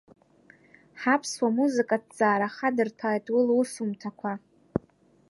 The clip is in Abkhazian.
Ҳаԥсуа музыкаҭҵаара хадырҭәааит уи лусумҭақәа…